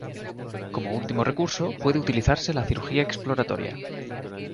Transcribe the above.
Como último recurso, puede utilizarse la cirugía exploratoria.